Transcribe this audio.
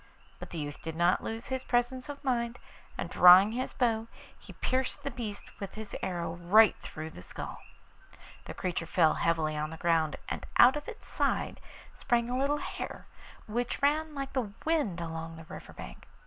But the youth did not lose his presence of mind, and drawing his bow he pierced the beast with his arrow right through the skull. The creature fell heavily on the ground, and out of its side sprang a little hare, which ran like the wind along the river bank.